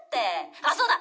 「あっそうだ！